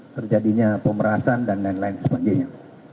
terjadinya pemerasan dan lain lain sebagainya